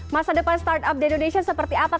masa depan start up di indonesia seperti apa